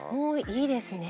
いいですね。